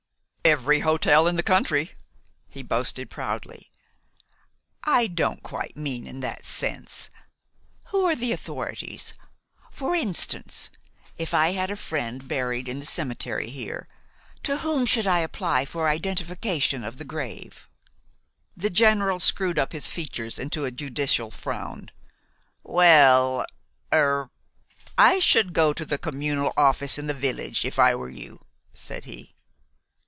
"Every hotel in the country," he boasted proudly. "I don't quite mean in that sense. Who are the authorities? For instance, if I had a friend buried in the cemetery here, to whom should I apply for identification of the grave?" The General screwed up his features into a judicial frown. "Well er I should go to the communal office in the village, if I were you," said he.